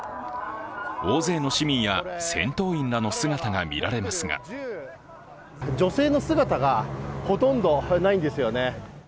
大勢の市民や戦闘員らの姿が見られますが女性の姿がほとんどないんですよね。